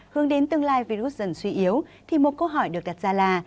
hướng đến tương lai virus dần suy yếu thì một câu hỏi được đặt ra là